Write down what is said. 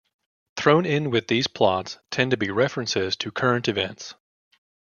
Thrown in with these plots tend to be references to current events.